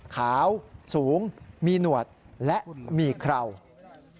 ขาวสูงมีหนวดและมีเครา